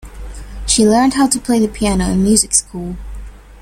She learned how to play the piano in music school.